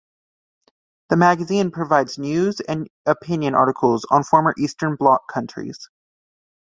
The magazine provides news and opinion articles on former Eastern Bloc countries.